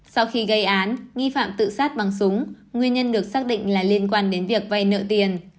sau khi gây án nghi phạm tự sát bằng súng nguyên nhân được xác định là liên quan đến việc vay nợ tiền